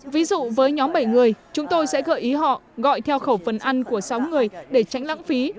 ví dụ với nhóm bảy người chúng tôi sẽ gợi ý họ gọi theo khẩu phần ăn của sáu người để tránh lãng phí